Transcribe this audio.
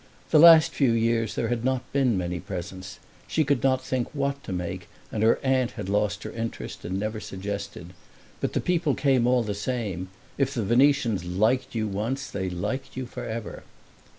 The last few years there had not been many presents; she could not think what to make, and her aunt had lost her interest and never suggested. But the people came all the same; if the Venetians liked you once they liked you forever.